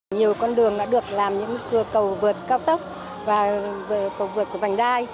nhiều con đường đã được làm những cầu vượt cao tốc và cầu vượt của vành đai